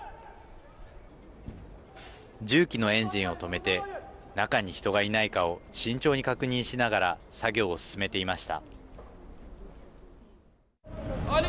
重機のエンジンを止めて中に人がいないかを慎重に確認しながら作業を進めていました。